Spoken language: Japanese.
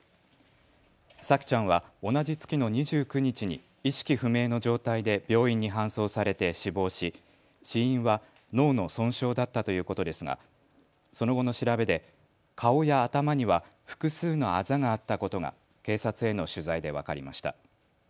沙季ちゃんは同じ月の２９日に意識不明の状態で病院に搬送されて死亡し死因は脳の損傷だったということですがその後の調べで顔や頭には複数のあざがあったことが警察への取材で分かりました。